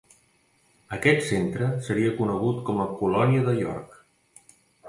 Aquest centre seria conegut com a Colònia de York.